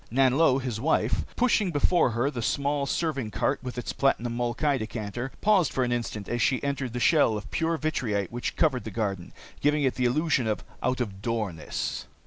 Nanlo, his wife, pushing before her the small serving cart with its platinum molkai decanter, paused for an instant as she entered the shell of pure vitrite which covered the garden, giving it the illusion of out of doorness.